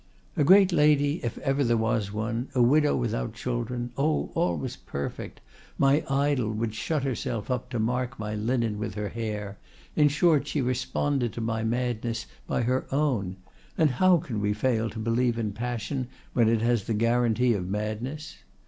"A great lady if ever there was one, a widow without children—oh! all was perfect—my idol would shut herself up to mark my linen with her hair; in short, she responded to my madness by her own. And how can we fail to believe in passion when it has the guarantee of madness?